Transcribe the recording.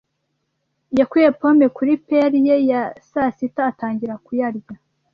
yakuye pome kuri pail ye ya sasita atangira kuyarya.